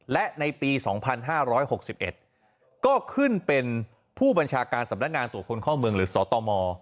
และในปี๒๕๖๑ก็ขึ้นเป็นผู้บัญชาการสำนักงานตรวจคนเข้าเมืองหรือสตม